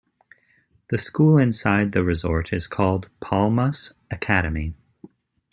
The school inside the resort is called Palmas Academy.